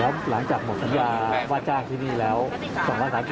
แล้วหลังจากหมดสัญญาว่าจ้างที่นี่แล้ว